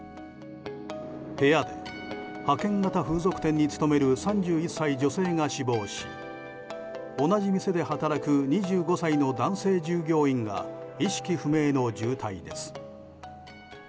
部屋で、派遣型風俗店に勤める３１歳女性が死亡し同じ店で働く２５歳の男性従業員が意識不明の重体です。